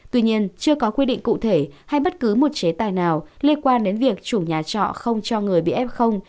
tuy nhiên chưa có quy định cụ thể hay bất cứ một chế tài nào liên quan đến việc chủ nhà trọ không cho người bị f